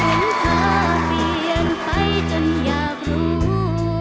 เห็นเธอเปลี่ยนไปจนอยากรู้